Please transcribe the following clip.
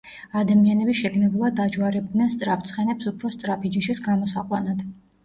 ადამიანები შეგნებულად აჯვარებდნენ სწრაფ ცხენებს უფრო სწრაფი ჯიშის გამოსაყვანად.